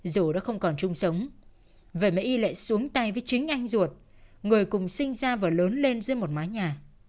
dù đã không còn chung sống về mẹ y lệ xuống tay với chính anh ruột người cùng sinh ra và lớn lên dưới một mái nhà